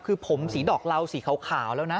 คือผมสีดอกเหลาสีขาวแล้วนะ